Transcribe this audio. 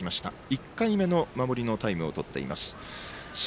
１回目の守りのタイムをとっています。